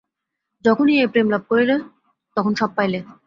যখন এই প্রেম লাভ করিলে, তখন সব পাইলে।